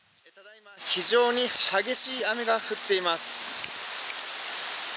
非常に激しい雨が降っています。